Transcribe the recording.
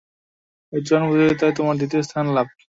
উচ্চারণ প্রতিযোগিতায় তোমার দ্বিতীয় স্থান লাভ।